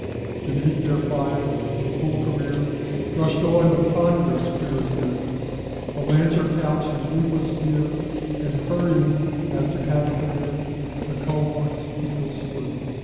Beneath their fire in full career, Rush'd on the ponderous cuirassier, The lancer couch'd his ruthless spear, And hurrying as to havoc near, The cohorts' eagles flew.